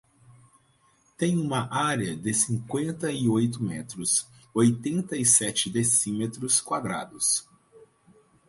Tem uma área de cinquenta e oito metros, oitenta e sete decímetros quadrados.